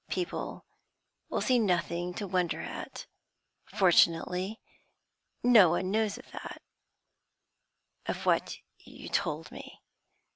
'People will see nothing to wonder at. Fortunately, no one knows of that of what you told me.